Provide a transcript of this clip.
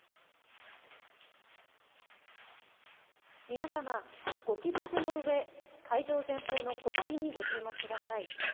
皆様、ご起立のうえ会場前方の国旗にご注目ください。